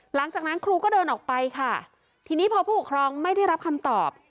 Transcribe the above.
หลังจากนั้นครูก็เดินออกไปค่ะทีนี้พอผู้ปกครองไม่ได้รับคำตอบ